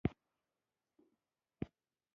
هغه خپل تقریر په دې ډول پیل کړ.